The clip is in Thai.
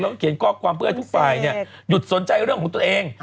แล้วก็เขียนข้อความเพื่อให้ทุกฝ่ายหยุดสนใจเรื่องของตัวเอง